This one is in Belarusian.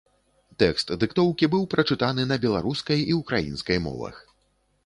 Тэкст дыктоўкі быў прачытаны на беларускай і ўкраінскай мовах.